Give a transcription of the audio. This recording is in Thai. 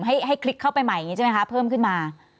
ให้คลิกเข้าไปใหม่อย่างนี้ใช่ไหมคะเพิ่มขึ้นมา